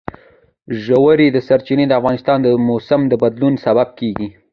ژورې سرچینې د افغانستان د موسم د بدلون سبب کېږي.